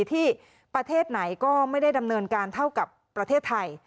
ที่ประเทศไหนก็ไม่ได้ดำเนินการเท่ากับประเทศไทย